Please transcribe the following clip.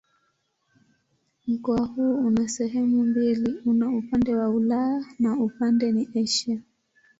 Mkoa huu una sehemu mbili: una upande wa Ulaya na upande ni Asia.